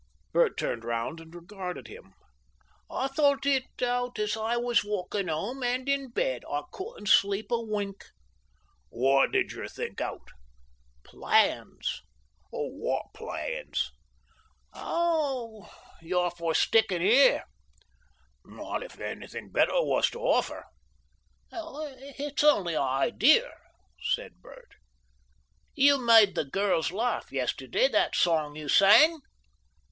Bert turned round and regarded him. "I thought it out as I was walking 'ome, and in bed. I couldn't sleep a wink." "What did you think out?" "Plans." "What plans?" "Oh! You're for stickin, here." "Not if anything better was to offer." "It's only an ideer," said Bert. "You made the girls laugh yestiday, that song you sang."